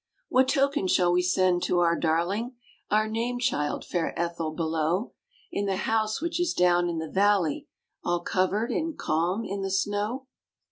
What token shall we send to our darling, Our name child, fair Ethel, below In the house which is down in the valley All covered and calm in the snow?